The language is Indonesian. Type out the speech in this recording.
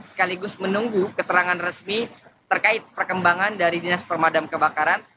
sekaligus menunggu keterangan resmi terkait perkembangan dari dinas pemadam kebakaran